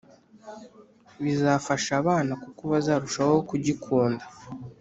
bizafasha abana kuko bazarushaho kugikunda,